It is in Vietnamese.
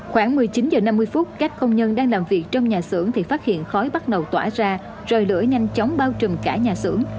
khoảng một mươi chín h năm mươi các công nhân đang làm việc trong nhà xưởng thì phát hiện khói bắt đầu tỏa ra rồi lửa nhanh chóng bao trùm cả nhà xưởng